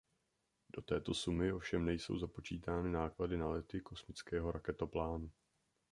Do této sumy ovšem nejsou započítány náklady na lety kosmického raketoplánu.